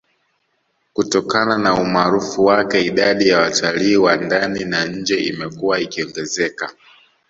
Kutokana na umaarufu wake idadi ya watalii wa ndani na nje imekuwa ikiongezeka